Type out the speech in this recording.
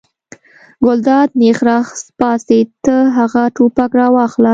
ګلداد نېغ را پاڅېد: ته هغه ټوپک راواخله.